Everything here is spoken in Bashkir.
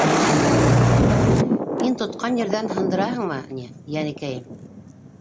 —Һин тотҡан ерҙән һындыраһыңмы ни, йәнекәйем?